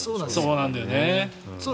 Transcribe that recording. そうなんだよね。